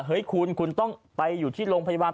เฮ้ยคุณคุณต้องไปอยู่ที่โรงพยาบาล